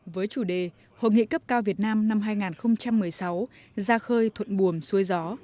với chủ đề hội nghị cấp cao việt nam năm hai nghìn một mươi sáu ra khơi thuận buồm xuôi gió